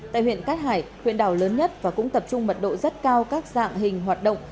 tại huyện cát hải huyện đảo lớn nhất và cũng tập trung mật độ rất cao các dạng hình hoạt động